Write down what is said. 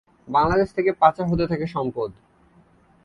বাংলাদেশ থেকে পাচার হতে থাকে সম্পদ।